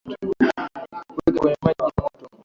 Weka kwenye maji ya moto